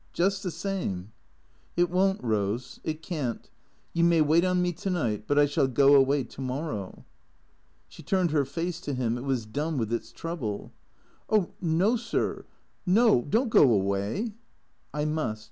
Just the same." " It won't, Eose, it can't. You may wait on me to night, but I shall go away to morrow." She turned her face to him, it was dumb with its trouble. " Oh no — no, sir — don't go away." " I must.